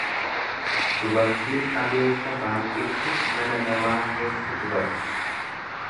Dubartiin adeemsa baay'iftu mana namaa keessa gubatti.